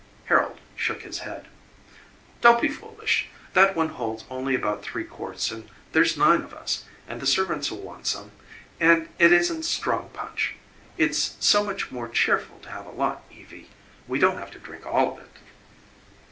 Harold shook his head. "Don't be foolish. That one holds only about three quarts and there's nine of us, and the servants'll want some and it isn't strong punch. It's so much more cheerful to have a lot, Evie; we don't have to drink all of it."